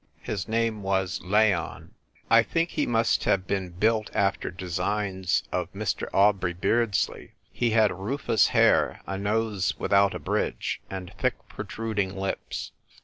His name was Leon. I think he must have been built after designs by Mr. Aubrey Beardsley. He had rufous hair, a nose without a bridge, and thick protruding lips.